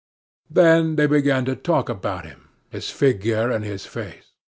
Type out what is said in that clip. Then they began to talk about him, his figure, and his face.